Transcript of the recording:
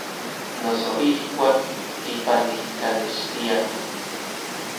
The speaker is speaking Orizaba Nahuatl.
Noso ijkuak kipanijkanextiaj.